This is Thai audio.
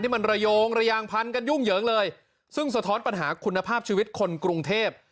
มันระโยงระยางพันกันยุ่งเหยิงเลยซึ่งสะท้อนปัญหาคุณภาพชีวิตคนกรุงเทพ